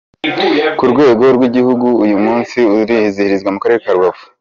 Ku rwego rw’Igihugu, uyu munsi uzizihirizwa mu Karere ka Rubavu.